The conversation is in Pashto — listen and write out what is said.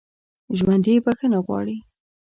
ژوندي بخښنه غواړي